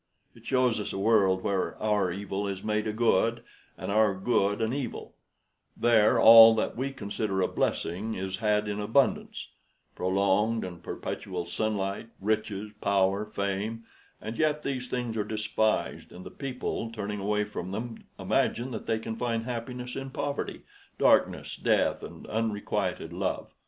It shows us a world where our evil is made a good, and our good an evil; there all that we consider a blessing is had in abundance prolonged and perpetual sunlight, riches, power, fame and yet these things are despised, and the people, turning away from them, imagine that they can find happiness in poverty, darkness, death, and unrequited love.